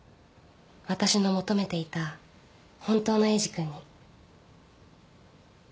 私の求めていた本当のエイジ君に。